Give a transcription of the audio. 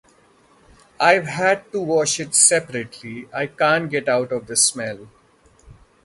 I've had to wash it separately, I can't get out the smell.